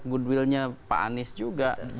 ya ini adalah good will nya pak anies juga